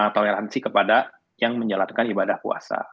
toleransi kepada yang menjalankan ibadah puasa